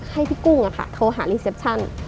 ให้พี่กุ้งโทรหารีเซปชั่น